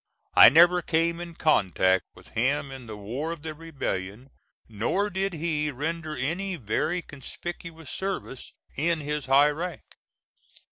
I never came in contact with him in the war of the Rebellion, nor did he render any very conspicuous service in his high rank.